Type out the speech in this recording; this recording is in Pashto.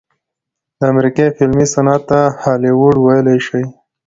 د امريکې فلمي صنعت ته هالي وډ وئيلے شي